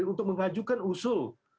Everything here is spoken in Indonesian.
untuk mengajukan usul